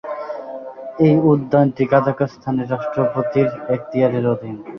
এই উদ্যানটি কাজাখস্তানের রাষ্ট্রপতির এখতিয়ারের অধীন।